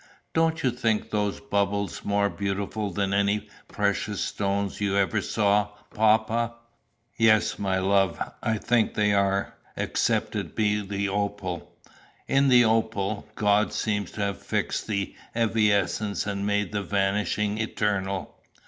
"Don't you think those bubbles more beautiful than any precious stones you ever saw, papa?" "Yes, my love, I think they are, except it be the opal. In the opal, God seems to have fixed the evanescent and made the vanishing eternal."